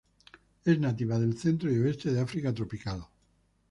Es nativa del centro y oeste de África tropical.